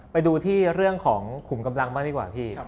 ไปดูที่เรื่องของขุมกำลังบ้างดีกว่าพี่